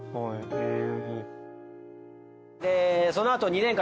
へえ。